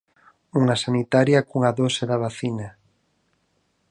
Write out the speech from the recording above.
Unha sanitaria cunha dose da vacina.